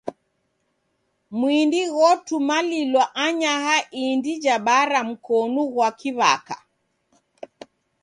Mwindi ghotumalilwa anyaha indi ja bara mkonu ghwa kiw'aka.